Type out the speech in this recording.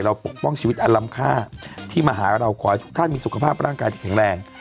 ปกป้องชีวิตอันลำค่าที่มาหาเราขอให้ทุกท่านมีสุขภาพร่างกายที่แข็งแรง